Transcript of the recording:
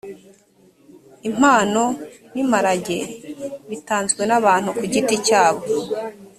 impano n’imirage bitanzwe n’abantu ku giti cyabo